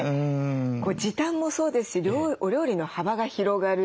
時短もそうですしお料理の幅が広がる。